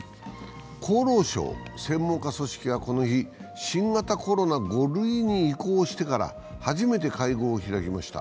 厚労省の専門家組織はこの日、新型コロナが５類に移行してから初めての会合を開きました。